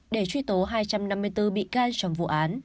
để truy tố hai trăm năm mươi bốn bị can trong vụ án